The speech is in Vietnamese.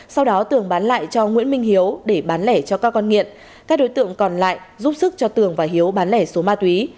sau đó tường bán lại cho nguyễn minh hiếu để bán lẻ cho các con nghiện các đối tượng còn lại giúp sức cho tường và hiếu bán lẻ số ma túy